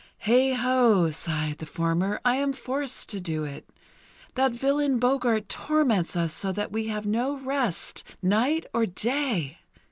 "Heigh ho!" sighed the farmer, "I am forced to do it. That villain Boggart torments us so that we have no rest night or day!